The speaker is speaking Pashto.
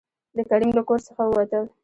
د کريم له کور څخه ووتل.